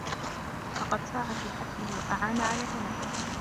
فَقَدْ سَعَى فِي حَتْفِهِ وَأَعَانَ عَلَى تَلَفِهِ